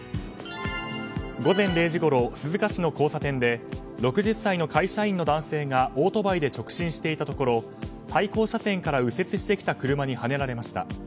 午前０時ごろ鈴鹿市の交差点で６０歳の会社員の男性がオートバイで直進していたところ対向車線から右折してきた車にはねられました。